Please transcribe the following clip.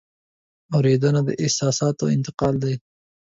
اورېدنه د احساساتو انتقال ده.